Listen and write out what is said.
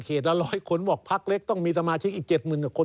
เขตละร้อยคนหวักพักเล็กต้องมีสมาชิกอีก๗หมื่นคน